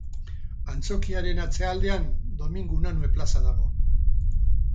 Antzokiaren atzealdean Domingo Unanue plaza dago.